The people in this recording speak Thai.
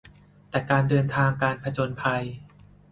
แต่การเดินทางการผจญภัย